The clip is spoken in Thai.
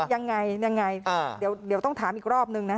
ยังไงยังไงเดี๋ยวต้องถามอีกรอบนึงนะ